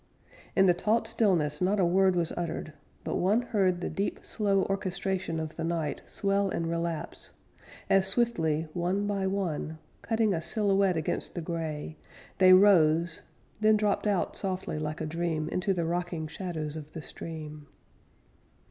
In the taut stillness, not a word Was uttered, but one heard The deep slow orchestration of the night Swell and relapse; as swiftly, one by one, Cutting a silhouette against the gray, They rose, then dropped out softly like a dream Into the rocking shadows of the stream.